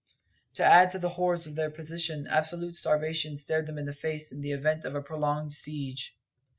To add to the horrors of their position, absolute starvation stared them in the face in the event of a prolonged siege.